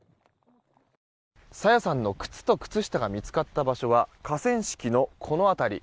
朝芽さんの靴と靴下が見つかった場所は河川敷のこの辺り。